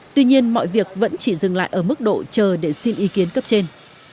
tuy nhiên mọi việc vẫn chỉ dừng lại ở mức độ chờ để xin ý kiến cấp trên